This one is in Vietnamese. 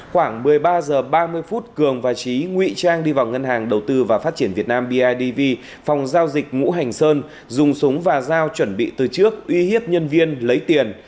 khoảng một mươi ba h ba mươi phút cường và trí nguy trang đi vào ngân hàng đầu tư và phát triển việt nam bidv phòng giao dịch ngũ hành sơn dùng súng và dao chuẩn bị từ trước uy hiếp nhân viên lấy tiền